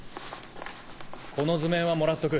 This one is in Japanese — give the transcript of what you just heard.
この図面はもらっとく。